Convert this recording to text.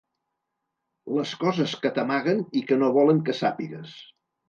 Les coses que t’amaguen i que no volen que sàpigues.